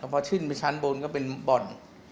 เผาชื่นไปชั้นบนก็เป็นบ่อน